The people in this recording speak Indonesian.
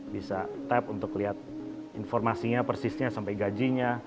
bisa tap untuk lihat informasinya persisnya sampai gajinya